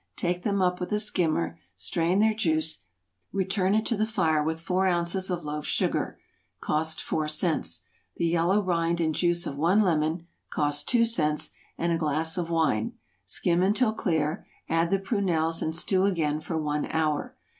Take them up with a skimmer, strain their juice, return it to the fire with four ounces of loaf sugar, (cost four cents,) the yellow rind and juice of one lemon, (cost two cents,) and a glass of wine; skim until clear, add the prunelles, and stew again for one hour.